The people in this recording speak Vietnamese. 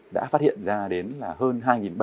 đã phát hiện ra đến là hơn